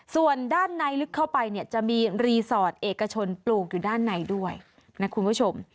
ส่วนด้านในลึกเข้าไปเนี่ยจะมีรีสอร์ทเอกชนปลูกอยู่ด้านในด้วยนะคุณผู้ชม